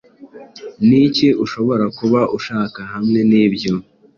Niki ushobora kuba ushaka hamwe nibyo?